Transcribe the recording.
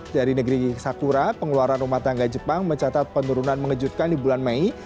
dari negeri sakura pengeluaran rumah tangga jepang mencatat penurunan mengejutkan di bulan mei